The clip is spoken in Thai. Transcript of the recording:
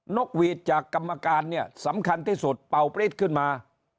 กหวีดจากกรรมการเนี่ยสำคัญที่สุดเป่าปริศขึ้นมา